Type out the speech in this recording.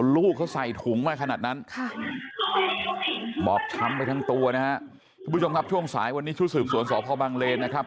ลูกเขาใส่ถุงมาขนาดนั้นบอกช้ำไปทั้งตัวนะครับช่วงสายวันนี้ช่วยสืบสวนสอบภาวบางเลนนะครับ